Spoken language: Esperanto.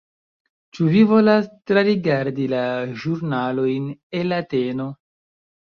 Ĉu vi volas trarigardi la ĵurnalojn el Ateno?